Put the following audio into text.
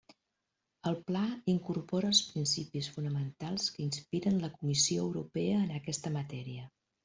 El pla incorpora els principis fonamentals que inspiren la Comissió Europea en aquesta matèria.